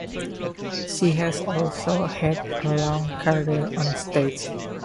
She has also had a long career on stage.